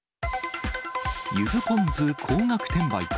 ゆずポン酢高額転売か。